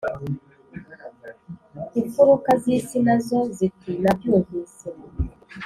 imfuruka zisi nazo ziti nabyumvise